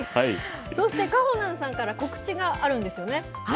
そして、かほなんさんから告知があるんですよね。